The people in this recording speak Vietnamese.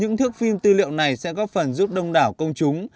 những thước phim tư liệu này sẽ góp phần giúp đông đảo công chúng